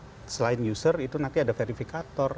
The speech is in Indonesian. nah selain user itu nanti ada verifikator